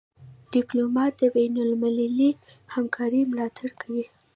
ډيپلومات د بینالمللي همکارۍ ملاتړ کوي.